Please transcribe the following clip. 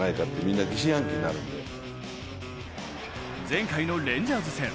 前回のレンジャーズ戦。